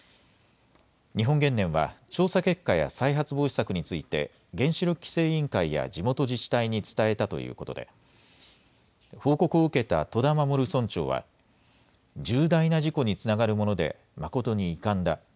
日本原燃は調査結果や再発防止策について原子力規制委員会や地元自治体に伝えたということで報告を受けた戸田衛村長は重大な事故につながるもので誠に遺憾だ。